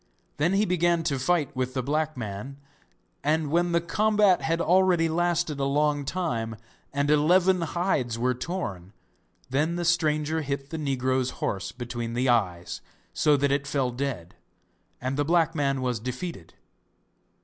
Then he began to fight with the black man, and when the combat had already lasted a long time, and eleven hides were torn, then the stranger hit the negro's horse between the eyes, so that it fell dead, and the black man was defeated.